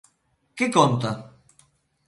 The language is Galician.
Que conta?